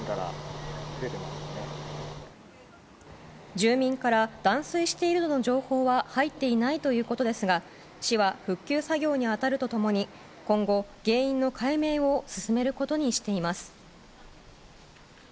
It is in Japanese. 住民から断水しているとの情報は入っていないということですが市は復旧作業に当たると共に今後、原因を解明することにしています。